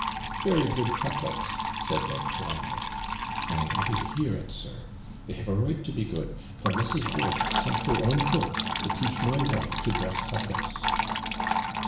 'Very good cutlets,' said Lord Colambre. 'I am happy to hear it, sir. They have a right to be good, for Mrs. Burke sent her own cook to teach my wife to dress cutlets.'